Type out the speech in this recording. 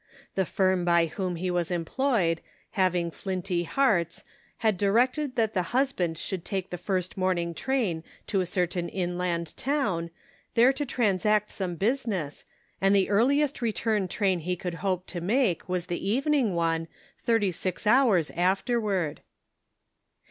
The firm by whom he was employed, having flinty hearts, had directed that the husband should take the first morning train to a certain inland town, there to transact some business, and the earliest return train he could hope to make was the evening one, thhty six hours afterward